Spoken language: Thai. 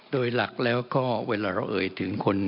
โดยหลักแล้วก็เวลาเราเอ่ยถึงคน